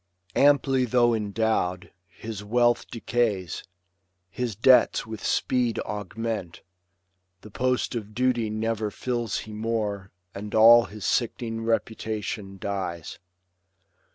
Amply though endow'd, His wealth decays, his debts with speed augment. The post of duty never fills he more. And all his sick'ning reputation dies.